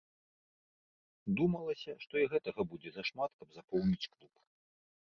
Думалася, што і гэтага будзе зашмат, каб запоўніць клуб.